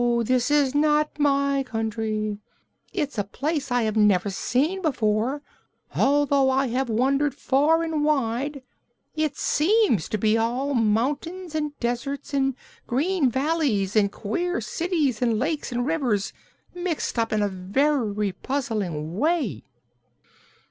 this is not my country. It's a place I have never seen before, although I have wandered far and wide. It seems to be all mountains and deserts and green valleys and queer cities and lakes and rivers mixed up in a very puzzling way."